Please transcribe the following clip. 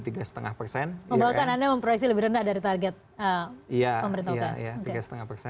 membawa kanannya memproyeksi lebih rendah dari target pemerintah